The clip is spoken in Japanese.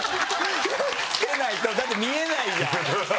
じゃないとだって見えないじゃん。